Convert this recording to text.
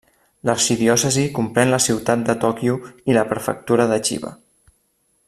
L'arxidiòcesi comprèn la ciutat de Tòquio i la prefectura de Chiba.